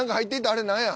あれ何や。